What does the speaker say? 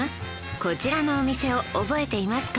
こちらのお店を覚えていますか？